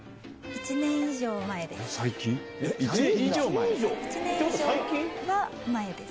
１年以上は前です。